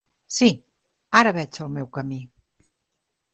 Sí, ara veig el meu camí.